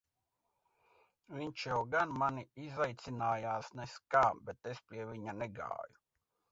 Viņš jau gan mani izaicinājās nez kā, bet es pie viņa negāju.